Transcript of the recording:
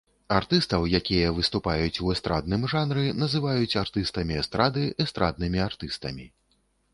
Артыстаў, якія выступаюць у эстрадным жанры, называюць артыстамі эстрады, эстраднымі артыстамі.